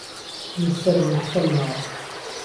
من سهرم مهحتهل ماوه